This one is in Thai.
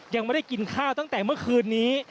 ยังไม่ได้กินข้าวตั้งแต่เมื่อคืนนี้